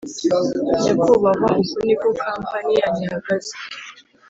nyakubahwa uku niko kampani yanyu ihagaze